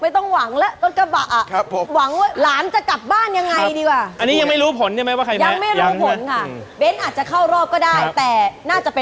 ถ้าใครวิ่งไปก่อน